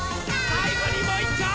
さいごにもういっちょ。